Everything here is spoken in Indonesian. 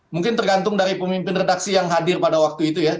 mungkin tergantung dari pemimpin redaksi yang hadir pada waktu itu ya